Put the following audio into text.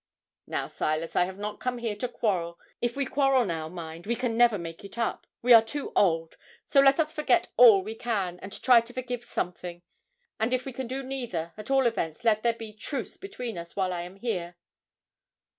'"Now, Silas, I have not come here to quarrel. If we quarrel now, mind, we can never make it up we are too old, so let us forget all we can, and try to forgive something; and if we can do neither, at all events let there be truce between us while I am here."